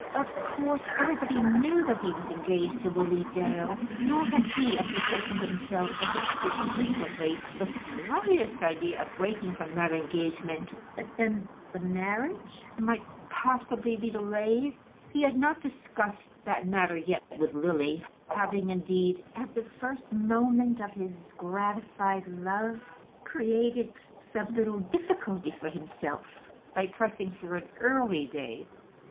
Of course, everybody knew that he was engaged to Lily Dale; nor had he, as he said to himself, perhaps too frequently, the slightest idea of breaking from that engagement. But then the marriage might possibly be delayed. He had not discussed that matter yet with Lily, having, indeed, at the first moment of his gratified love, created some little difficulty for himself by pressing for an early day.